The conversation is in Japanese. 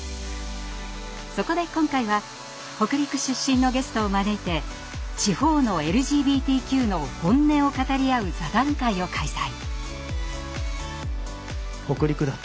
そこで今回は北陸出身のゲストを招いて地方のＬＧＢＴＱの本音を語り合う座談会を開催。